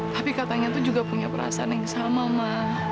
tapi katanya tuh juga punya perasaan yang sama ma